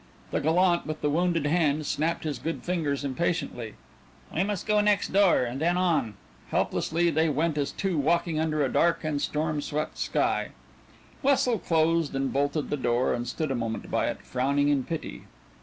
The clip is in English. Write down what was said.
The gallant with the wounded hand snapped his good fingers impatiently. "We must go next door and then on " Helplessly they went as two walking under a dark and storm swept sky. Wessel closed and bolted the door and stood a moment by it, frowning in pity.